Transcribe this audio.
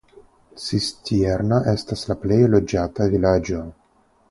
Cistierna estas la plej loĝata vilaĝo.